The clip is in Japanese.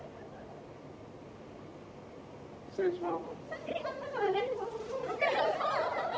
失礼します。